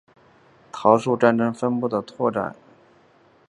桃树战争分布的拓垦地所发动的大规模攻击。